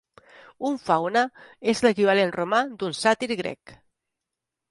Un faune és l"equivalent romà d"un sàtir grec.